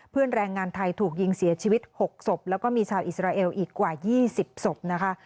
แรงงานไทยถูกยิงเสียชีวิต๖ศพแล้วก็มีชาวอิสราเอลอีกกว่า๒๐ศพนะคะ